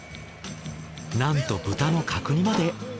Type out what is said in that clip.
なんと豚の角煮まで。